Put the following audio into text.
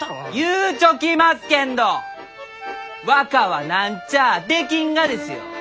言うちょきますけんど若は何ちゃあできんがですよ！